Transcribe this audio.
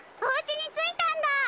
おうちについたんだ！